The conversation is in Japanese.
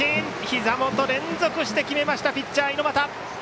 ひざ元へ連続して決めましたピッチャー猪俣。